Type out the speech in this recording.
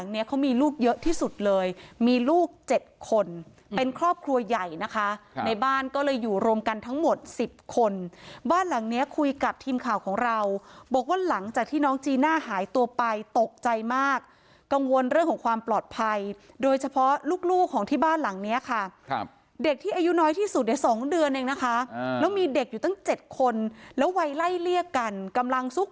นะคะในบ้านก็เลยอยู่รวมกันทั้งหมดสิบคนบ้านหลังเนี้ยคุยกับทีมข่าวของเราบอกว่าหลังจากที่น้องจีน่าหายตัวไปตกใจมากกังวลเรื่องของความปลอดภัยโดยเฉพาะลูกลูกของที่บ้านหลังเนี้ยค่ะครับเด็กที่อายุน้อยที่สุดในสองเดือนเองนะคะอ่าแล้วมีเด็กอยู่ตั้งเจ็ดคนแล้ววัยไล่เรียกกันกำลังซุก